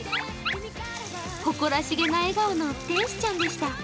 誇らしげな笑顔の天使ちゃんでした。